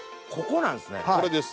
ここなんすね！